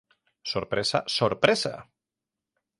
Sorpresa ¡Sorpresa!